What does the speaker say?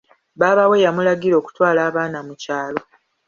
Baaba we yamulagira okutwala abaana mu kyalo.